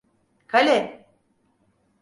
Kale!